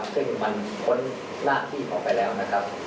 ซึ่งมันพ้นหน้าที่ออกไปแล้วนะครับ